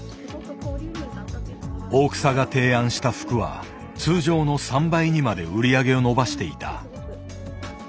大草が提案した服は通常の３倍にまで売り上げを伸ばしていた。